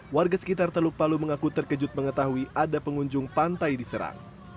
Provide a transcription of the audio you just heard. warga sekitar teluk palu mengaku terkejut mengetahui ada pengunjung pantai diserang